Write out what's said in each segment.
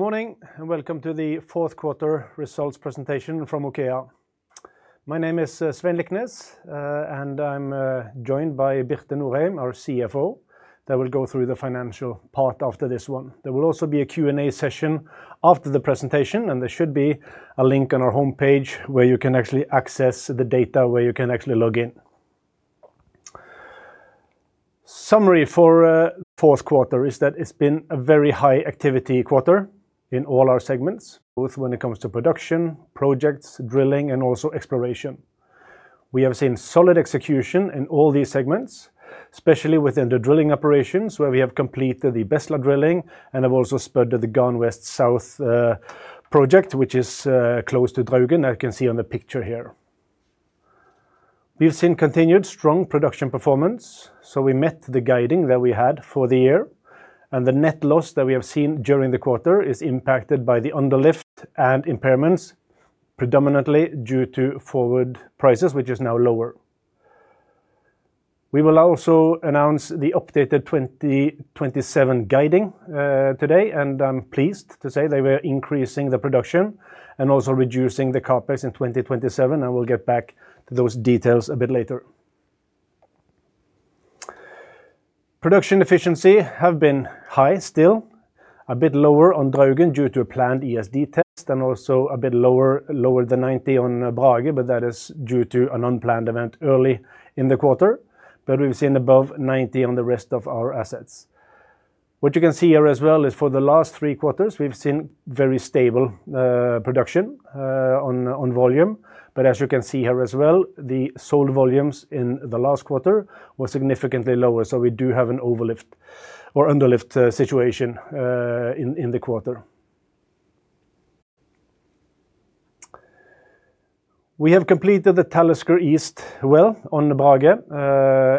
Good morning, and welcome to the fourth quarter results presentation from OKEA. My name is Svein Liknes, and I'm joined by Birte Norheim, our CFO, that will go through the financial part after this one. There will also be a Q&A session after the presentation, and there should be a link on our homepage where you can actually access the data, where you can actually log in. Summary for fourth quarter is that it's been a very high activity quarter in all our segments, both when it comes to production, projects, drilling, and also exploration. We have seen solid execution in all these segments, especially within the drilling operations, where we have completed the Bestla drilling and have also spudded the Garn West South project, which is close to Draugen, as you can see on the picture here. We've seen continued strong production performance, so we met the guiding that we had for the year, and the net loss that we have seen during the quarter is impacted by the underlift and impairments, predominantly due to forward prices, which is now lower. We will also announce the updated 2027 guiding today, and I'm pleased to say that we're increasing the production and also reducing the CapEx in 2027, and we'll get back to those details a bit later. Production efficiency have been high, still. A bit lower on Draugen due to a planned ESD test, and also a bit lower, lower than 90% on Brage, but that is due to an unplanned event early in the quarter. But we've seen above 90% on the rest of our assets. What you can see here as well is for the last three quarters, we've seen very stable production on volume. But as you can see here as well, the sold volumes in the last quarter were significantly lower, so we do have an overlift or underlift situation in the quarter. We have completed the Talisker East well on the Brage,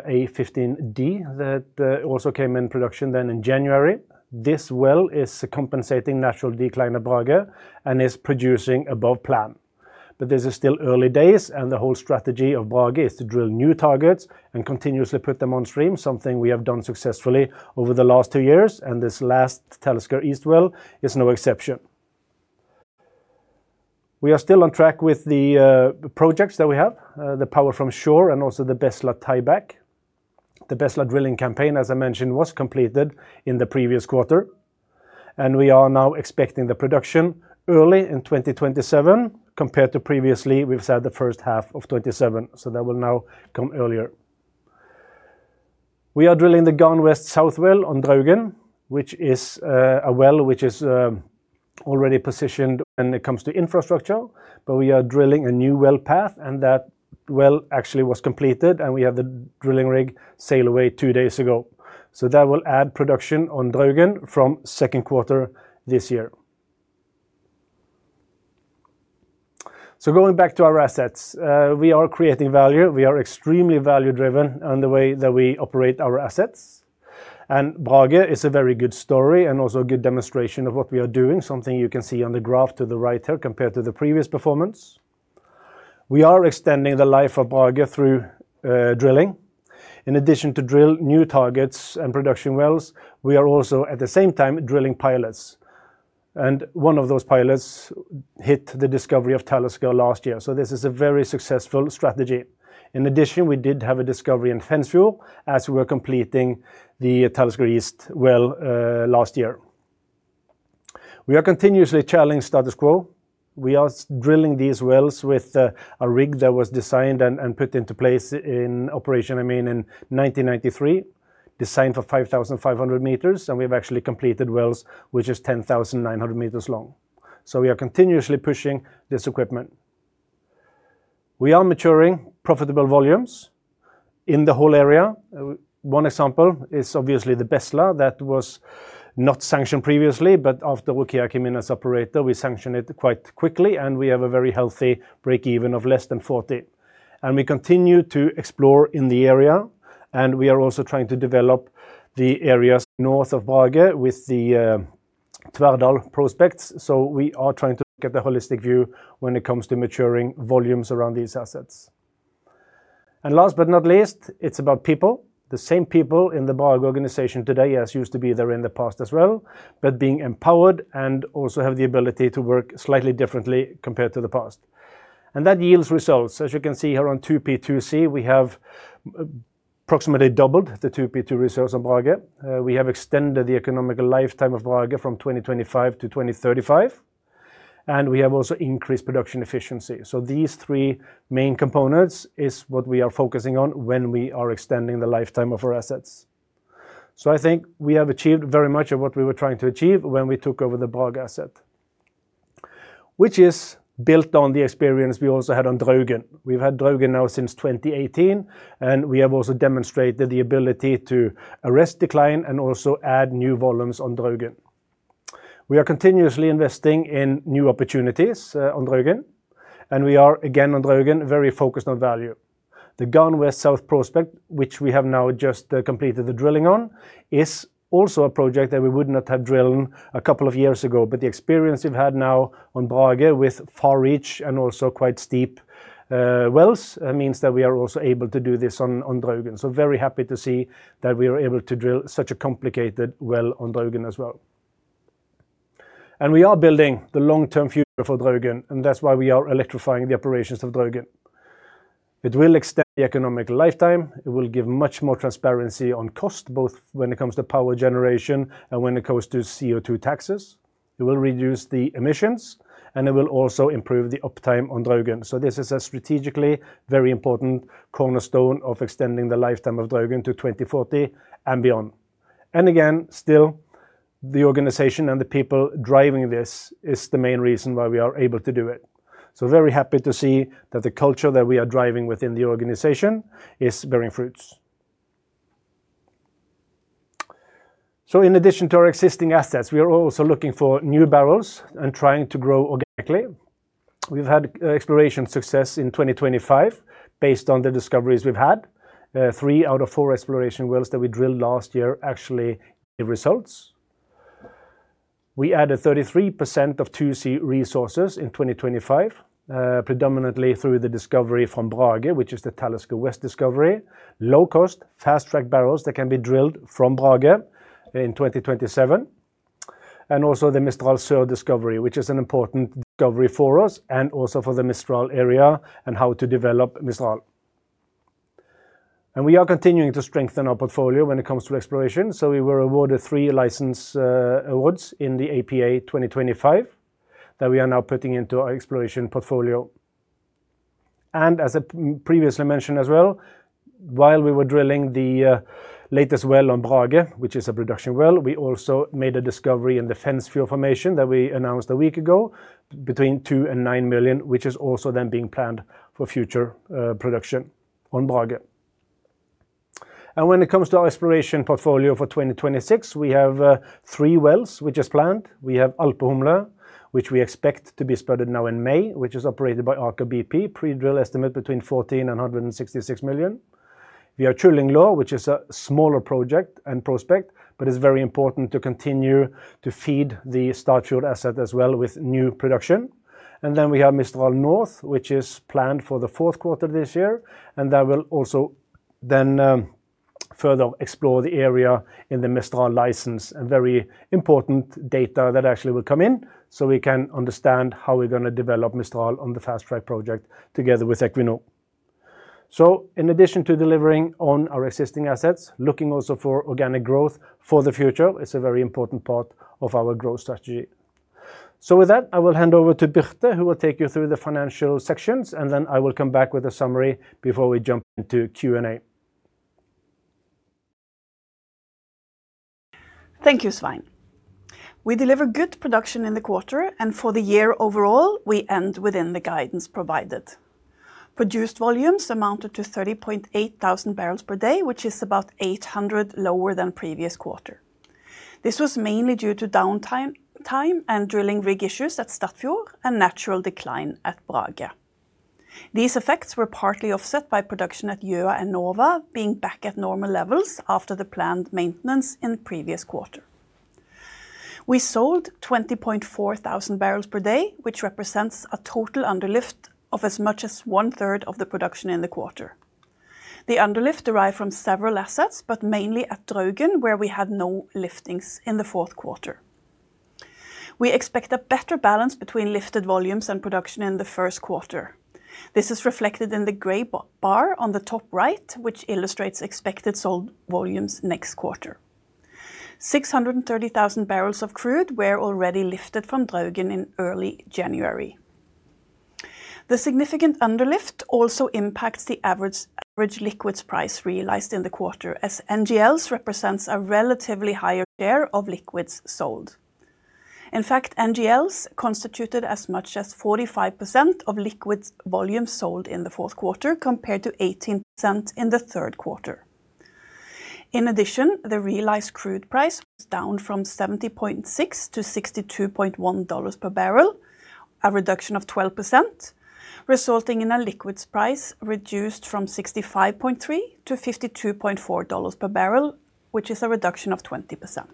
A-15 D, that also came in production then in January. This well is compensating natural decline of Brage and is producing above plan. But this is still early days, and the whole strategy of Brage is to drill new targets and continuously put them on stream, something we have done successfully over the last two years, and this last Talisker East well is no exception. We are still on track with the projects that we have, the Power from Shore and also the Bestla tieback. The Bestla drilling campaign, as I mentioned, was completed in the previous quarter, and we are now expecting the production early in 2027, compared to previously, we've said the first half of 2027, so that will now come earlier. We are drilling the Garn West South well on Draugen, which is a well which is already positioned when it comes to infrastructure, but we are drilling a new well path, and that well actually was completed, and we have the drilling rig sail away two days ago. So that will add production on Draugen from second quarter this year. So going back to our assets, we are creating value. We are extremely value-driven on the way that we operate our assets, and Brage is a very good story and also a good demonstration of what we are doing, something you can see on the graph to the right here compared to the previous performance. We are extending the life of Brage through drilling. In addition to drill new targets and production wells, we are also, at the same time, drilling pilots, and one of those pilots hit the discovery of Talisker last year. So this is a very successful strategy. In addition, we did have a discovery in Fensfjord as we were completing the Talisker East well last year. We are continuously challenging status quo. We are drilling these wells with a rig that was designed and put into place in operation, I mean, in 1993, designed for 5,500 meters, and we've actually completed wells which is 10,900 meters long. So we are continuously pushing this equipment. We are maturing profitable volumes in the whole area. One example is obviously the Bestla, that was not sanctioned previously, but after OKEA came in as operator, we sanctioned it quite quickly, and we have a very healthy break even of less than $40. And we continue to explore in the area, and we are also trying to develop the areas north of Brage with the Tverrfjell prospects. So we are trying to get the holistic view when it comes to maturing volumes around these assets. And last but not least, it's about people. The same people in the Brage organization today as used to be there in the past as well, but being empowered and also have the ability to work slightly differently compared to the past. And that yields results. As you can see here on 2P/2C, we have approximately doubled the 2P/2C reserves on Brage. We have extended the economic lifetime of Brage from 2025-2035, and we have also increased production efficiency. So these three main components is what we are focusing on when we are extending the lifetime of our assets. So I think we have achieved very much of what we were trying to achieve when we took over the Brage asset, which is built on the experience we also had on Draugen. We've had Draugen now since 2018, and we have also demonstrated the ability to arrest decline and also add new volumes on Draugen. We are continuously investing in new opportunities on Draugen, and we are, again, on Draugen, very focused on value. The Garn West South prospect, which we have now just completed the drilling on, is also a project that we would not have drilled a couple of years ago, but the experience we've had now on Brage with far reach and also quite steep wells, means that we are also able to do this on Draugen. So very happy to see that we are able to drill such a complicated well on Draugen as well. And we are building the long-term future for Draugen, and that's why we are electrifying the operations of Draugen. It will extend the economic lifetime. It will give much more transparency on cost, both when it comes to power generation and when it comes to CO2 taxes. It will reduce the emissions, and it will also improve the uptime on Draugen. So this is a strategically very important cornerstone of extending the lifetime of Draugen to 2040 and beyond. And again, still, the organization and the people driving this is the main reason why we are able to do it. So very happy to see that the culture that we are driving within the organization is bearing fruits. So in addition to our existing assets, we are also looking for new barrels and trying to grow organically. We've had exploration success in 2025 based on the discoveries we've had. Three out of four exploration wells that we drilled last year actually gave results. We added 33% of 2C resources in 2025, predominantly through the discovery from Brage, which is the Talisker West discovery. Low-cost, fast-track barrels that can be drilled from Brage in 2027, and also the Mistral Sør discovery, which is an important discovery for us and also for the Mistral area and how to develop Mistral. We are continuing to strengthen our portfolio when it comes to exploration. We were awarded three license awards in the APA 2025 that we are now putting into our exploration portfolio. As I previously mentioned as well, while we were drilling the latest well on Brage, which is a production well, we also made a discovery in the Fensfjord formation that we announced a week ago, between 2 million and 9 million, which is also then being planned for future production on Brage. When it comes to our exploration portfolio for 2026, we have three wells which is planned. We have Alve Nord, which we expect to be spudded now in May, which is operated by Aker BP, pre-drill estimate between 14 million and 166 million. We have Trillingen, which is a smaller project and prospect, but it's very important to continue to feed the Statfjord asset as well with new production. And then we have Mistral North, which is planned for the fourth quarter of this year, and that will also then further explore the area in the Mistral license, and very important data that actually will come in, so we can understand how we're gonna develop Mistral on the fast-track project together with Equinor. In addition to delivering on our existing assets, looking also for organic growth for the future is a very important part of our growth strategy. So with that, I will hand over to Birte, who will take you through the financial sections, and then I will come back with a summary before we jump into Q&A. Thank you, Svein. We deliver good production in the quarter, and for the year overall, we end within the guidance provided. Produced volumes amounted to 30.8 thousand barrels per day, which is about 800 lower than previous quarter. This was mainly due to downtime, time and drilling rig issues at Statfjord and natural decline at Brage. These effects were partly offset by production at Gjøa and Nova, being back at normal levels after the planned maintenance in the previous quarter. We sold 20.4 thousand barrels per day, which represents a total underlift of as much as one third of the production in the quarter. The underlift derived from several assets, but mainly at Draugen, where we had no liftings in the fourth quarter. We expect a better balance between lifted volumes and production in the first quarter. This is reflected in the gray bar on the top right, which illustrates expected sold volumes next quarter. 630,000 barrels of crude were already lifted from Draugen in early January. The significant underlift also impacts the average liquids price realized in the quarter, as NGLs represents a relatively higher share of liquids sold. In fact, NGLs constituted as much as 45% of liquids volume sold in the fourth quarter, compared to 18% in the third quarter. In addition, the realized crude price was down from $70.6-$62.1 per barrel, a reduction of 12%, resulting in a liquids price reduced from $65.3 to $52.4 per barrel, which is a reduction of 20%.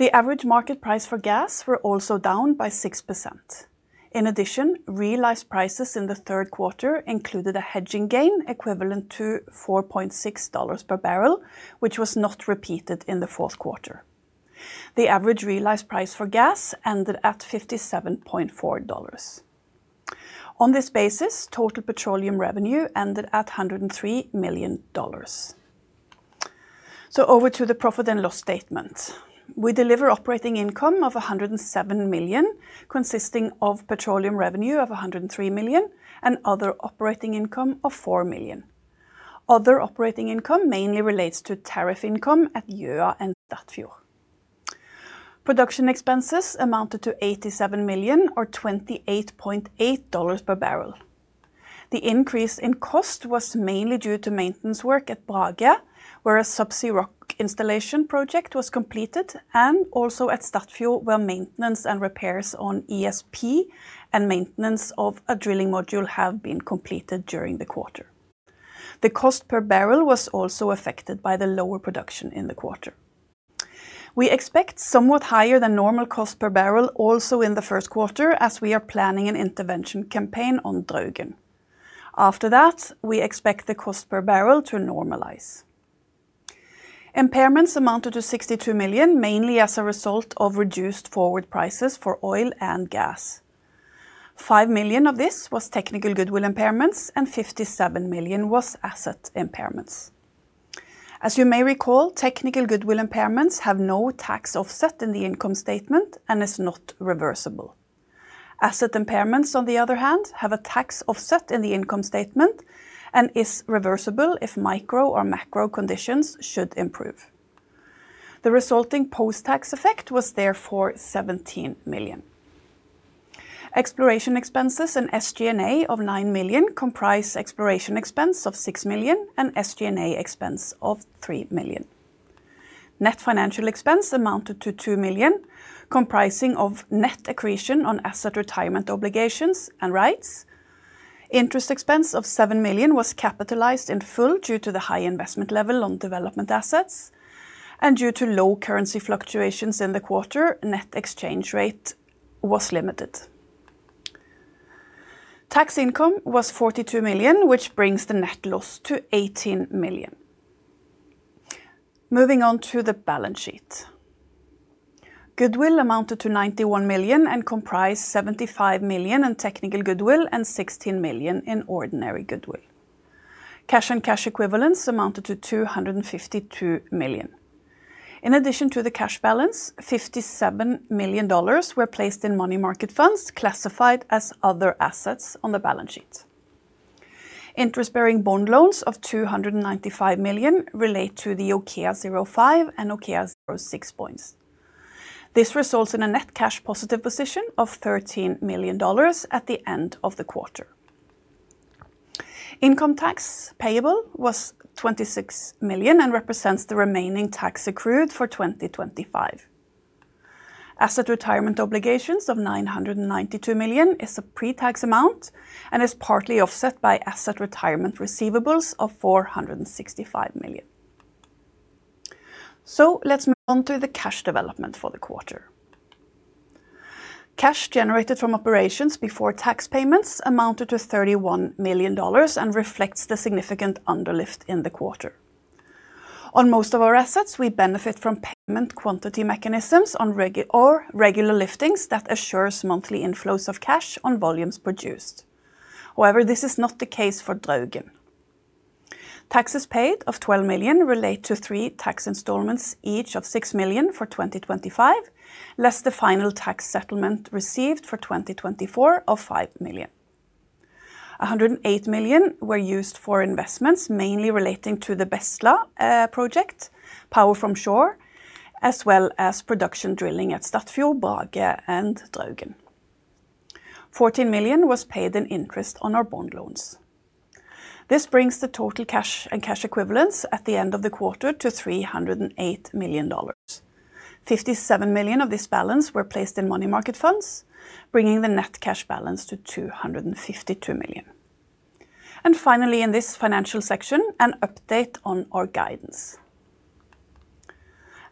The average market price for gas were also down by 6%. In addition, realized prices in the third quarter included a hedging gain equivalent to $4.6 per barrel, which was not repeated in the fourth quarter. The average realized price for gas ended at $57.4. On this basis, total petroleum revenue ended at $103 million. So over to the profit and loss statement. We deliver operating income of $107 million, consisting of petroleum revenue of $103 million and other operating income of $4 million. Other operating income mainly relates to tariff income at Gjøa and Statfjord. Production expenses amounted to $87 million or $28.8 per barrel. The increase in cost was mainly due to maintenance work at Brage, where a subsea rock installation project was completed, and also at Statfjord, where maintenance and repairs on ESP and maintenance of a drilling module have been completed during the quarter. The cost per barrel was also affected by the lower production in the quarter. We expect somewhat higher than normal cost per barrel, also in the first quarter, as we are planning an intervention campaign on Draugen. After that, we expect the cost per barrel to normalize. Impairments amounted to $62 million, mainly as a result of reduced forward prices for oil and gas. $5 million of this was technical goodwill impairments, and $57 million was asset impairments. As you may recall, technical goodwill impairments have no tax offset in the income statement and is not reversible. Asset impairments, on the other hand, have a tax offset in the income statement and is reversible if micro or macro conditions should improve. The resulting post-tax effect was therefore $17 million. Exploration expenses and SG&A of $9 million comprise exploration expense of $6 million and SG&A expense of $3 million. Net financial expense amounted to $2 million, comprising of net accretion on asset retirement obligations and rights. Interest expense of $7 million was capitalized in full due to the high investment level on development assets, and due to low currency fluctuations in the quarter, net exchange rate was limited. Tax income was $42 million, which brings the net loss to $18 million. Moving on to the balance sheet. Goodwill amounted to $91 million and comprised $75 million in technical goodwill and $16 million in ordinary goodwill. Cash and cash equivalents amounted to $252 million. In addition to the cash balance, $57 million were placed in money market funds classified as other assets on the balance sheet. Interest-bearing bond loans of $295 million relate to the OKEA05 and OKEA06 bonds. This results in a net cash positive position of $13 million at the end of the quarter. Income tax payable was $26 million and represents the remaining tax accrued for 2025. Asset retirement obligations of $992 million is a pre-tax amount and is partly offset by asset retirement receivables of $465 million. So let's move on to the cash development for the quarter. Cash generated from operations before tax payments amounted to $31 million and reflects the significant underlift in the quarter. On most of our assets, we benefit from payment quantity mechanisms on regular liftings that assures monthly inflows of cash on volumes produced. However, this is not the case for Draugen. Taxes paid of $12 million relate to three tax installments, each of $6 million for 2025, less the final tax settlement received for 2024 of $5 million. $108 million were used for investments, mainly relating to the Bestla project, Power from Shore, as well as production drilling at Statfjord, Brage, and Draugen. $14 million was paid in interest on our bond loans. This brings the total cash and cash equivalents at the end of the quarter to $308 million. $57 million of this balance were placed in money market funds, bringing the net cash balance to $252 million. Finally, in this financial section, an update on our guidance.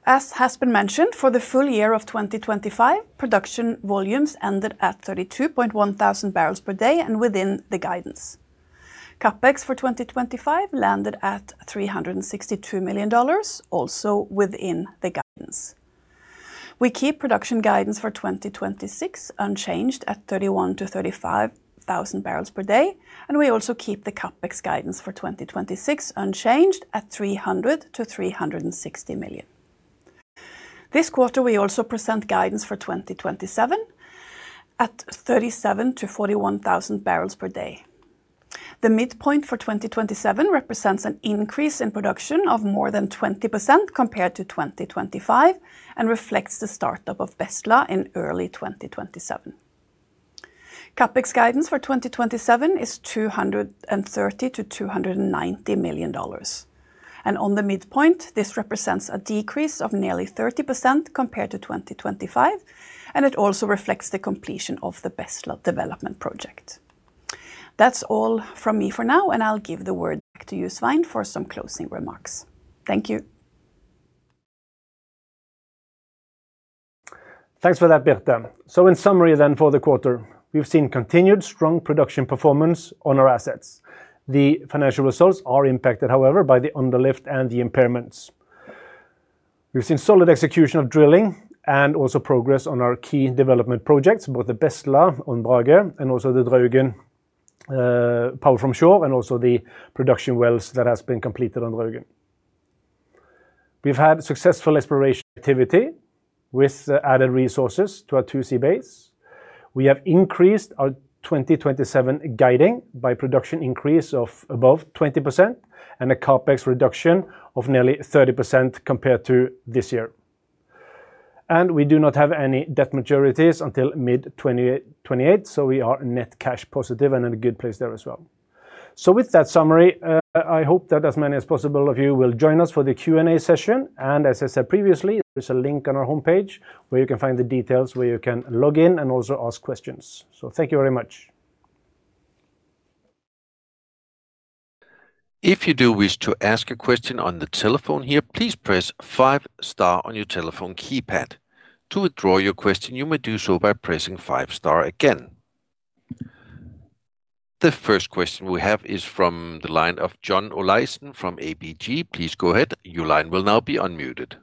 As has been mentioned, for the full year of 2025, production volumes ended at 32,100 barrels per day and within the guidance. CapEx for 2025 landed at $362 million, also within the guidance. We keep production guidance for 2026 unchanged at 31,000-35,000 barrels per day, and we also keep the CapEx guidance for 2026 unchanged at $300 million-$360 million. This quarter, we also present guidance for 2027 at 37,000-41,000 barrels per day. The midpoint for 2027 represents an increase in production of more than 20% compared to 2025 and reflects the startup of Bestla in early 2027. CapEx guidance for 2027 is $230 million-$290 million, and on the midpoint, this represents a decrease of nearly 30% compared to 2025, and it also reflects the completion of the Bestla development project. That's all from me for now, and I'll give the word back to you, Svein, for some closing remarks. Thank you. Thanks for that, Birte. So in summary then for the quarter, we've seen continued strong production performance on our assets. The financial results are impacted, however, by the underlift and the impairments. We've seen solid execution of drilling and also progress on our key development projects, both the Bestla on Brage and also the Draugen, Power from Shore, and also the production wells that has been completed on Draugen. We've had successful exploration activity with added resources to our 2C base. We have increased our 2027 guiding by production increase of above 20% and a CapEx reduction of nearly 30% compared to this year. And we do not have any debt maturities until mid-2028, so we are net cash positive and in a good place there as well. With that summary, I hope that as many as possible of you will join us for the Q&A session. As I said previously, there's a link on our homepage where you can find the details, where you can log in, and also ask questions. Thank you very much. If you do wish to ask a question on the telephone here, please press five star on your telephone keypad. To withdraw your question, you may do so by pressing five star again. The first question we have is from the line of John Olaisen from ABG. Please go ahead. Your line will now be unmuted.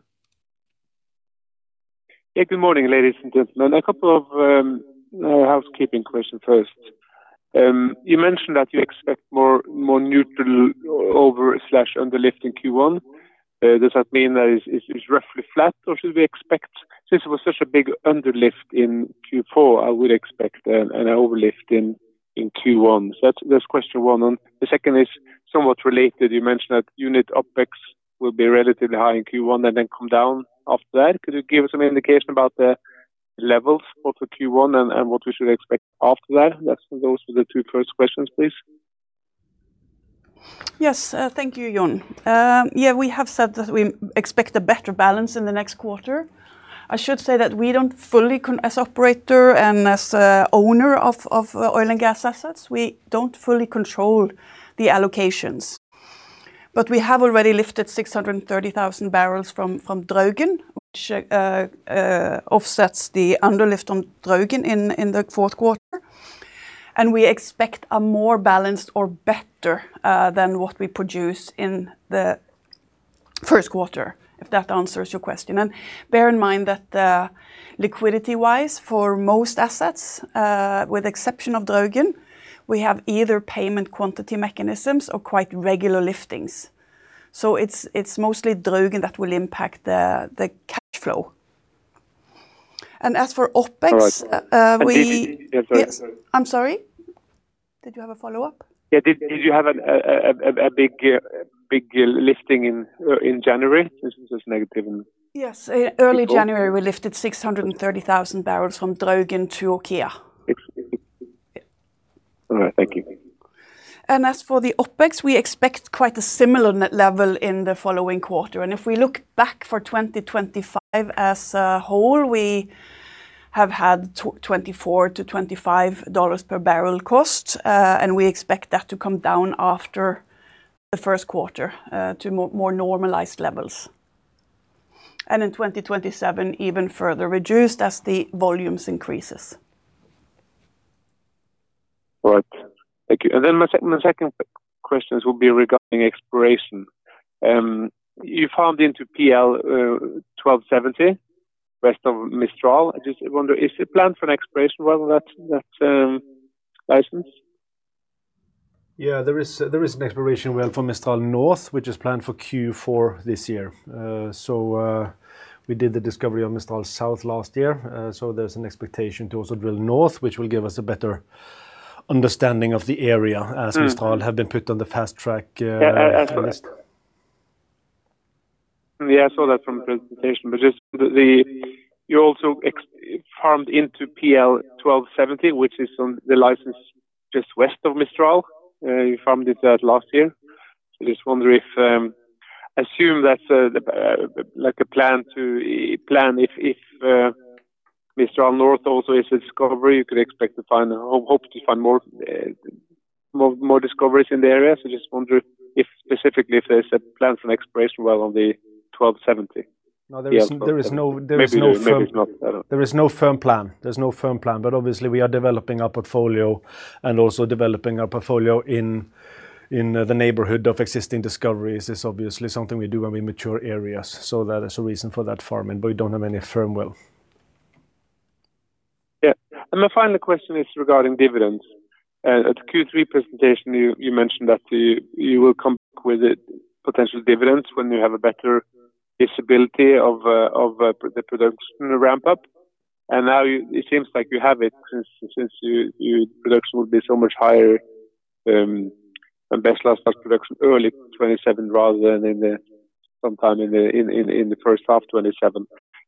Yeah, good morning, ladies and gentlemen. A couple of housekeeping questions first. You mentioned that you expect more neutral over/under lift in Q1. Does that mean that it's roughly flat, or should we expect, since it was such a big under lift in Q4, I would expect an over lift in Q1? So that's question one. And the second is somewhat related. You mentioned that unit OpEx will be relatively high in Q1 and then come down after that. Could you give us an indication about the levels for the Q1 and what we should expect after that? That's those are the two first questions, please. Yes, thank you, John. Yeah, we have said that we expect a better balance in the next quarter. I should say that we don't fully control as operator and as a owner of, of oil and gas assets, we don't fully control the allocations. But we have already lifted 630,000 barrels from Draugen, which offsets the underlift on Draugen in the fourth quarter. And we expect a more balanced or better than what we produce in the first quarter, if that answers your question. And bear in mind that, liquidity-wise, for most assets, with exception of Draugen, we have either payment quantity mechanisms or quite regular liftings. So it's, it's mostly Draugen that will impact the, the cash flow. And as for OpEx, we- Sorry. I'm sorry? Did you have a follow-up? Yeah, did you have a big lifting in January? Since it's negative in- Yes. In early January, we lifted 630,000 barrels from Draugen to OKEA. All right. Thank you. As for the OpEx, we expect quite a similar net level in the following quarter. If we look back for 2025 as a whole, we have had $24-$25 per barrel cost, and we expect that to come down after the first quarter, to more, more normalized levels. In 2027, even further reduced as the volumes increases. Right. Thank you. And then my second questions would be regarding exploration. You farmed into PL 1270, west of Mistral. I just wonder, is it planned for an exploration well, that license? Yeah, there is an exploration well for Mistral North, which is planned for Q4 this year. So, we did the discovery of Mistral South last year, so there's an expectation to also drill north, which will give us a better understanding of the area- Mm. As Mistral have been put on the fast track. Yeah, I asked- Yes. Yeah, I saw that from the presentation, but just the—you also farmed into PL 1270, which is on the license just west of Mistral. You farmed it out last year. I just wonder if, I assume that's, like, a plan to plan if, if, Mistral North also is a discovery, you could expect to find or hope to find more, more, more discoveries in the area. So just wonder if, specifically, if there's a plan for an exploration well on the 1270. No, there is- Yeah. There is no firm- Maybe, maybe not. I don't- There is no firm plan. There's no firm plan, but obviously, we are developing our portfolio and also developing our portfolio in the neighborhood of existing discoveries. It's obviously something we do when we mature areas, so that is a reason for that farming, but we don't have any firm well. Yeah. And my final question is regarding dividends. At the Q3 presentation, you mentioned that you will come back with it, potential dividends, when you have a better visibility of the production ramp-up. And now it seems like you have it since your production will be so much higher, and Bestla's production early 2027 rather than sometime in the first half 2027.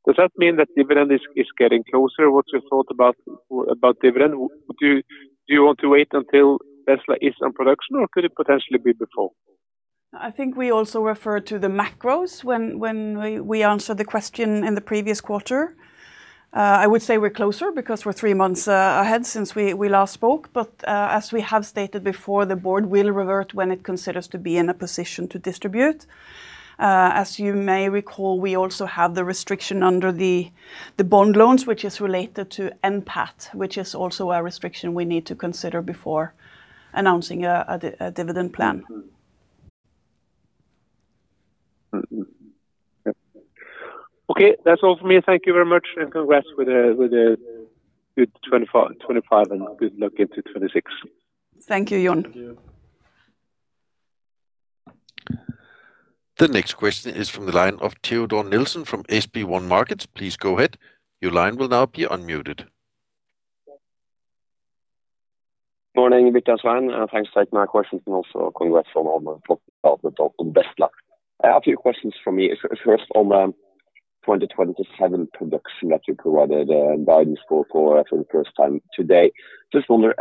Does that mean that dividend is getting closer? What's your thought about dividend? Do you want to wait until Bestla is on production, or could it potentially be before? I think we also referred to the macros when we answered the question in the previous quarter. I would say we're closer because we're three months ahead since we last spoke. But, as we have stated before, the board will revert when it considers to be in a position to distribute. As you may recall, we also have the restriction under the bond loans, which is related to NPAT, which is also a restriction we need to consider before announcing a dividend plan. Mm-hmm. Yep. Okay, that's all for me. Thank you very much, and congrats with a, with a good 2025, 2025, and good luck into 2026. Thank you, John. Thank you. The next question is from the line of Teodor Sveen-Nilsen from SpareBank 1 Markets. Please go ahead. Your line will now be unmuted. Morning, Svein, and thanks for taking my questions, and also congrats on all the top development on Bestla. I have a few questions for me. First, on the 2027 production that you provided, guidance for, for the first time today. Just wonder,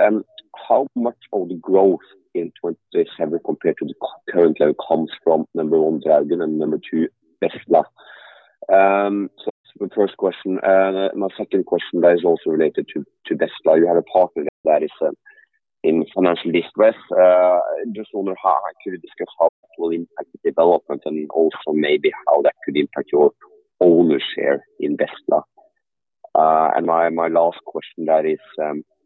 how much of the growth in 2027 compared to the current level comes from number one, Draugen, and number two, Bestla? So the first question, and my second question that is also related to, to Bestla. You had a partner that is, in financial distress. Just wonder how I could discuss how that will impact the development and also maybe how that could impact your owner share in Bestla? And my last question there is,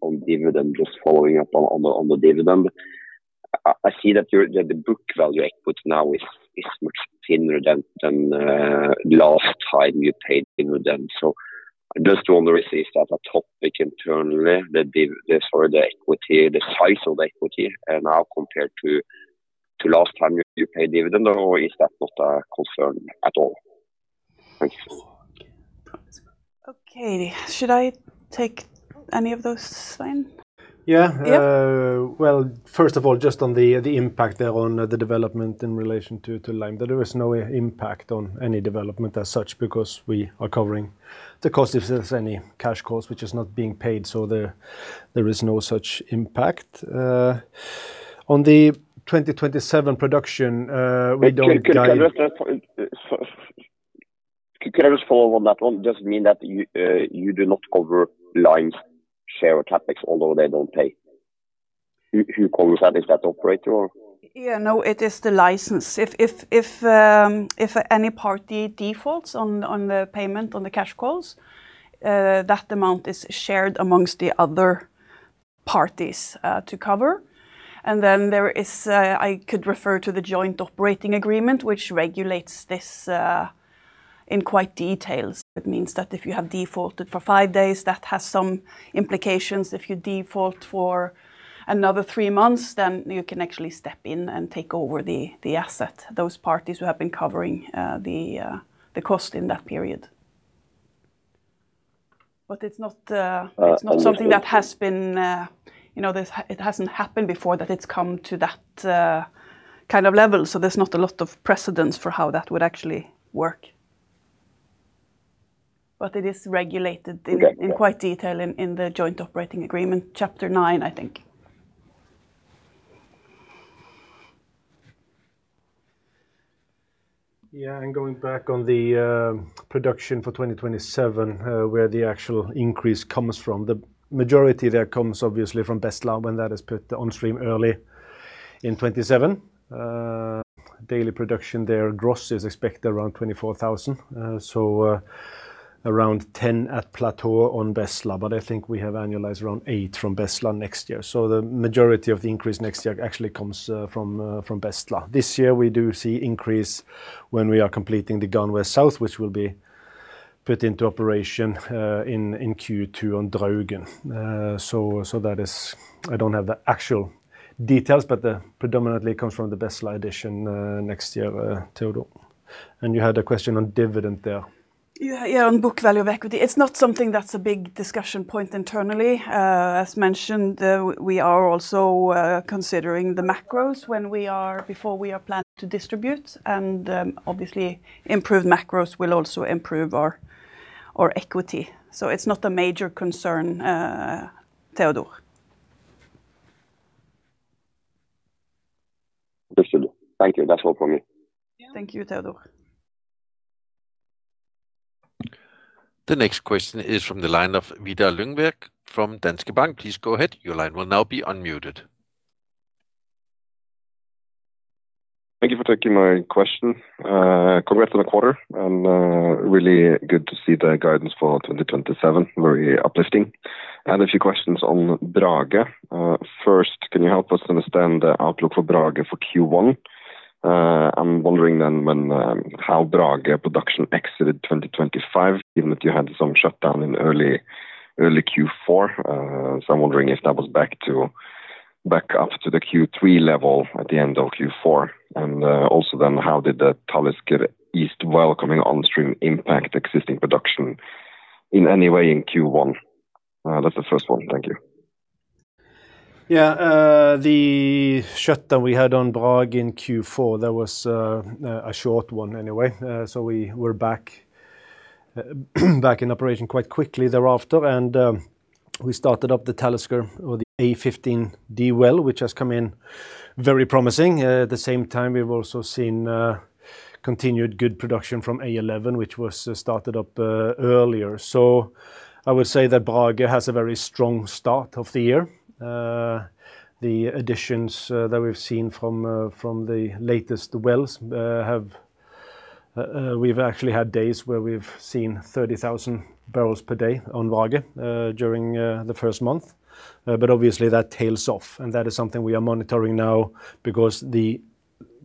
on dividend, just following up on, on the, on the dividend. I see that your book value output now is much thinner than last time you paid dividend. So I just wonder, is that a topic internally, the div- sorry, the equity, the size of the equity, and how compared to last time you paid dividend, or is that not a concern at all? Thank you. Okay. Should I take any of those, Svein? Yeah. Yeah. Well, first of all, just on the, the impact there on the development in relation to, to Lime, that there is no impact on any development as such, because we are covering the cost, if there's any cash cost, which is not being paid, so there, there is no such impact. On the 2027 production, we don't guide- Can I just follow on that one? Does it mean that you do not cover Lime's share of CapEx, although they don't pay? Who covers that? Is that the operator or? Yeah, no, it is the license. If any party defaults on the payment, on the cash calls, that amount is shared amongst the other parties to cover. And then there is I could refer to the joint operating agreement, which regulates this in quite detail. It means that if you have defaulted for five days, that has some implications. If you default for another three months, then you can actually step in and take over the asset, those parties who have been covering the cost in that period. But it's not- Uh, okay. It's not something that has been, you know, it hasn't happened before, that it's come to that, kind of level, so there's not a lot of precedents for how that would actually work. But it is regulated- Yeah... in quite detail in the joint operating agreement, chapter nine, I think. Yeah, and going back on the production for 2027, where the actual increase comes from, the majority there comes obviously from Bestla, when that is put on stream early in 2027. Daily production there, gross, is expected around 24,000. So, around 10 at plateau on Bestla, but I think we have annualized around eight from Bestla next year. So the majority of the increase next year actually comes from Bestla. This year, we do see increase when we are completing the Garn West South, which will be put into operation in Q2 on Draugen. So that is... I don't have the actual details, but they predominantly comes from the Bestla addition next year, Teodor. And you had a question on dividend there. Yeah, yeah, on book value of equity. It's not something that's a big discussion point internally. As mentioned, we are also considering the macros when we are, before we are planning to distribute, and obviously, improved macros will also improve our, our equity. So it's not a major concern, Teodor. Understood. Thank you. That's all from me. Thank you, Teodor. The next question is from the line of Vidar Lyngvær from Danske Bank. Please go ahead. Your line will now be unmuted. Thank you for taking my question. Congrats on the quarter, and really good to see the guidance for 2027. Very uplifting. I had a few questions on Brage. First, can you help us understand the outlook for Brage for Q1? I'm wondering then when, how Brage production exited 2025, even if you had some shutdown in early Q4. So I'm wondering if that was back to back up to the Q3 level at the end of Q4. And also then, how did the Talisker East well coming onstream impact existing production in any way in Q1? That's the first one. Thank you. Yeah, the shutdown we had on Brage in Q4, that was a short one anyway. So we were back, back in operation quite quickly thereafter, and we started up the Talisker or the A-15 D well, which has come in very promising. At the same time, we've also seen continued good production from A-11, which was started up earlier. So I would say that Brage has a very strong start of the year. The additions that we've seen from the latest wells, we've actually had days where we've seen 30,000 barrels per day on Brage during the first month. But obviously, that tails off, and that is something we are monitoring now because the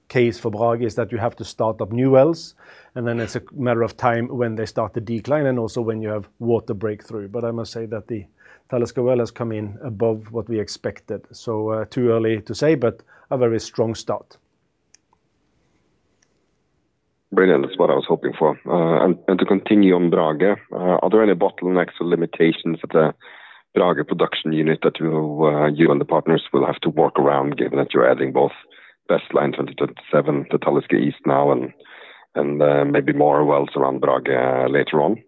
case for Brage is that you have to start up new wells, and then it's a matter of time when they start to decline and also when you have water breakthrough. But I must say that the Talisker well has come in above what we expected. So, too early to say, but a very strong start. Brilliant. That's what I was hoping for. And to continue on Brage, are there any bottlenecks or limitations at the Brage production unit that you and the partners will have to work around, given that you're adding both Bestla in 2027, the Talisker East now, and maybe more wells around Brage later on?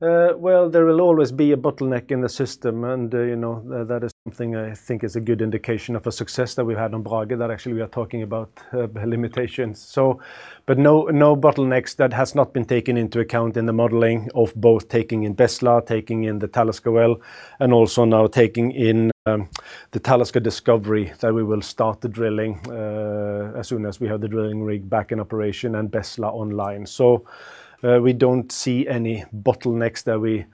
Well, there will always be a bottleneck in the system, and you know, that is something I think is a good indication of a success that we've had on Brage, that actually we are talking about limitations. So, but no, no bottlenecks that has not been taken into account in the modeling of both taking in Bestla, taking in the Talisker well, and also now taking in the Talisker discovery, that we will start the drilling as soon as we have the drilling rig back in operation and Bestla online. So, we don't see any bottlenecks that we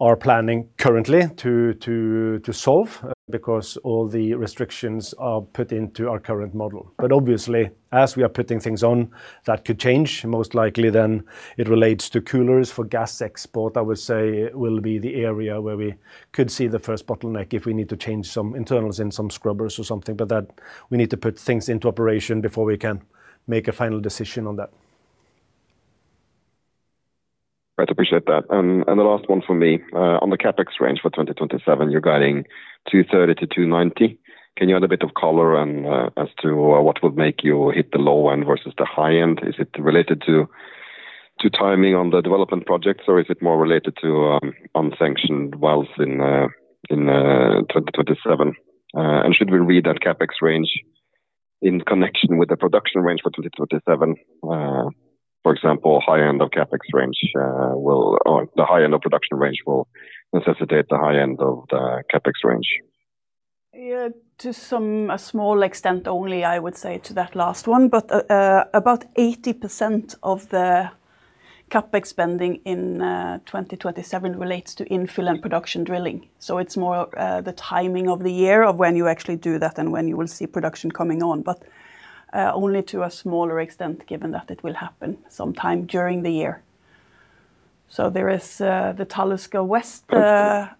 are planning currently to solve, because all the restrictions are put into our current model. But obviously, as we are putting things on, that could change. Most likely then it relates to coolers for gas export. I would say will be the area where we could see the first bottleneck if we need to change some internals in some scrubbers or something. But that we need to put things into operation before we can make a final decision on that. Right. Appreciate that. And the last one from me. On the CapEx range for 2027, you're guiding $230 million-$290 million. Can you add a bit of color on as to what would make you hit the low end versus the high end? Is it related to timing on the development projects, or is it more related to unsanctioned wells in 2027? And should we read that CapEx range in connection with the production range for 2027? For example, high end of CapEx range, will or the high end of production range will necessitate the high end of the CapEx range. Yeah, to some, a small extent only, I would say to that last one. But, about 80% of the CapEx spending in 2027 relates to infill and production drilling. So it's more, the timing of the year of when you actually do that than when you will see production coming on, but, only to a smaller extent, given that it will happen sometime during the year. So there is, the Talisker West, drilling,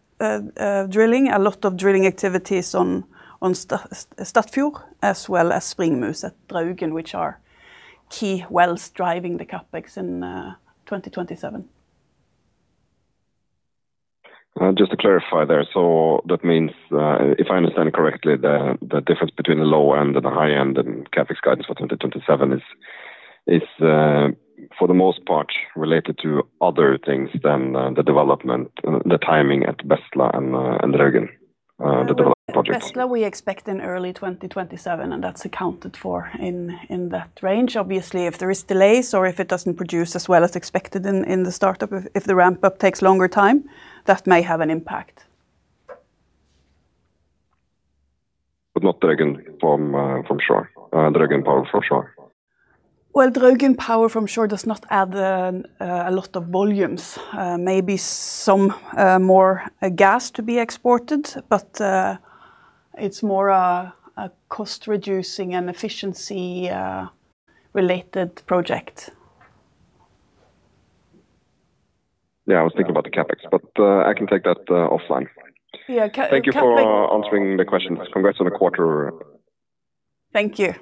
a lot of drilling activities on, on Statfjord, as well as Springmusling at Draugen, which are key wells driving the CapEx in 2027. Just to clarify there, so that means, if I understand correctly, the difference between the low end and the high end in CapEx guidance for 2027 is, for the most part, related to other things than the development, the timing at Bestla and Draugen, the development project? Bestla, we expect in early 2027, and that's accounted for in, in that range. Obviously, if there is delays or if it doesn't produce as well as expected in, in the startup, if, if the ramp-up takes longer time, that may have an impact. But not Draugen from shore, Draugen Power from Shore? Well, Draugen Power from Shore does not add a lot of volumes. Maybe some more gas to be exported, but it's more a cost-reducing and efficiency-related project. Yeah, I was thinking about the CapEx, but I can take that offline. Yeah, Thank you for answering the questions. Congrats on the quarter. Thank you.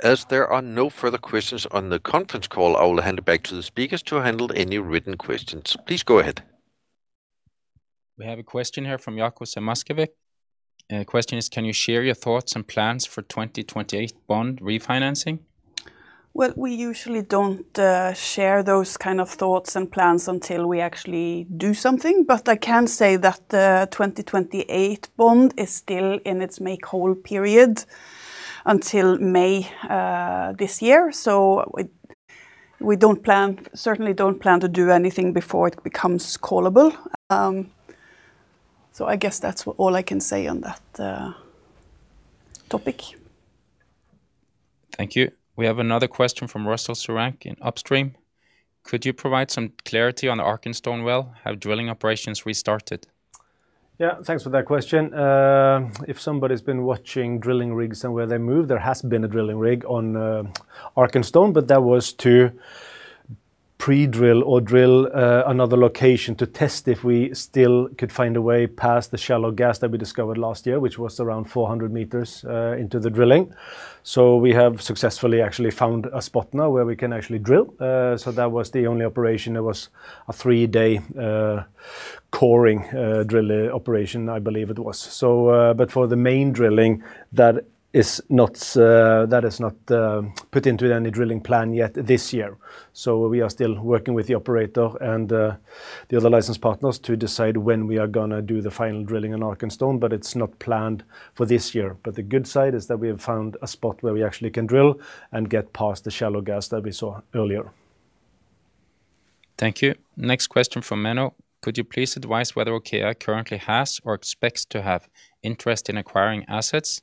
As there are no further questions on the conference call, I will hand it back to the speakers to handle any written questions. Please go ahead. We have a question here from Jacob Samaskevic. The question is: Can you share your thoughts and plans for 2028 bond refinancing? Well, we usually don't share those kind of thoughts and plans until we actually do something, but I can say that the 2028 bond is still in its make-whole period until May this year. So we don't plan, certainly don't plan to do anything before it becomes callable. So I guess that's all I can say on that topic. Thank you. We have another question from Russell Searancke in Upstream. Could you provide some clarity on Arkenstone well? Have drilling operations restarted? Yeah. Thanks for that question. If somebody's been watching drilling rigs and where they move, there has been a drilling rig on Arkenstone, but that was to pre-drill or drill another location to test if we still could find a way past the shallow gas that we discovered last year, which was around 400 meters into the drilling. So we have successfully actually found a spot now where we can actually drill. So that was the only operation. It was a three-day coring drill operation, I believe it was. So, but for the main drilling, that is not put into any drilling plan yet this year. So we are still working with the operator and the other license partners to decide when we are gonna do the final drilling on Arkenstone, but it's not planned for this year. The good side is that we have found a spot where we actually can drill and get past the shallow gas that we saw earlier. Thank you. Next question from Menno. Could you please advise whether OKEA currently has or expects to have interest in acquiring assets,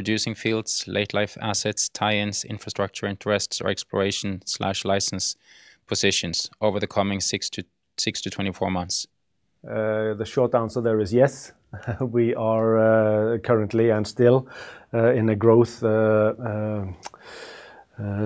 producing fields, late life assets, tie-ins, infrastructure interests, or exploration/license positions over the coming 6-24 months? The short answer there is yes. We are currently and still in a growth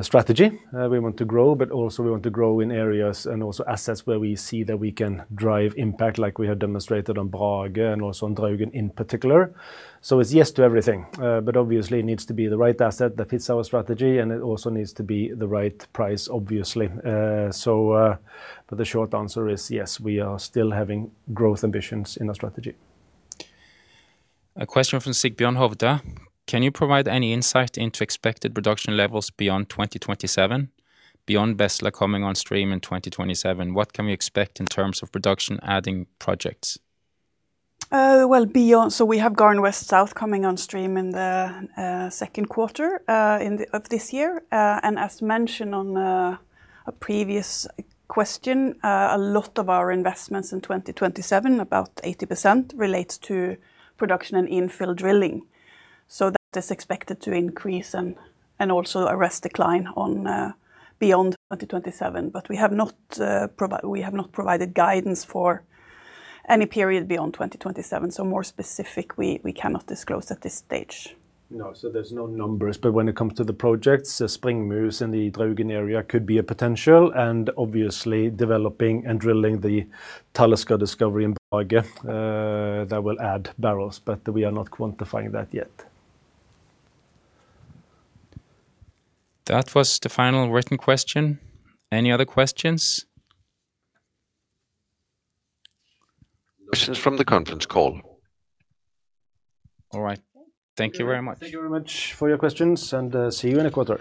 strategy. We want to grow, but also we want to grow in areas and also assets where we see that we can drive impact like we have demonstrated on Brage and also on Draugen in particular. So it's yes to everything, but obviously it needs to be the right asset that fits our strategy, and it also needs to be the right price, obviously. So, but the short answer is, yes, we are still having growth ambitions in our strategy. A question from Sigbjørn Hovda: Can you provide any insight into expected production levels beyond 2027, beyond Bestla coming on stream in 2027, what can we expect in terms of production adding projects? Well, beyond... So we have Garn West South coming on stream in the second quarter of this year. And as mentioned on a previous question, a lot of our investments in 2027, about 80%, relates to production and infill drilling. So that is expected to increase and also arrest decline on beyond 2027. But we have not provided guidance for any period beyond 2027. So more specific, we cannot disclose at this stage. No, so there's no numbers, but when it comes to the projects, Springmusling in the Draugen area could be a potential, and obviously developing and drilling the Talisker discovery in Brage, that will add barrels, but we are not quantifying that yet. That was the final written question. Any other questions? Questions from the conference call. All right. Thank you very much. Thank you very much for your questions, and see you in a quarter.